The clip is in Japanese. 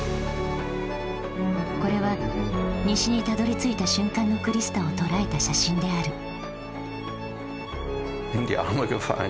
これは西にたどりついた瞬間のクリスタを捉えた写真である。